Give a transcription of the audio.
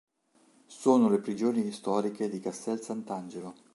Sono le prigioni storiche di Castel Sant'Angelo.